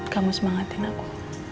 kamu semangatin aku